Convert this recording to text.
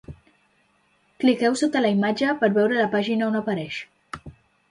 Cliqueu sota la imatge per veure la pàgina on apareix.